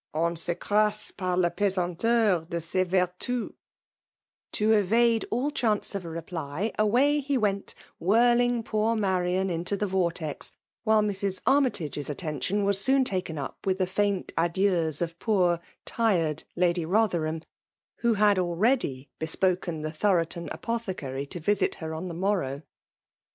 On s'ecrase par la pSsanteur de set vertus /" To evade all chance of a reply, away he went whirling poor Marian into the vortex ; while Mrs. Armytage*s attention was soon taken up with the faint adieus of poor, tired Lady Kotherham, who had already bespoken the Thoroton apothecary to visit her on the morrow.